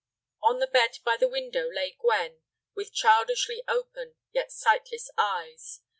On the bed by the window lay Gwen, with childishly open yet sightless eyes.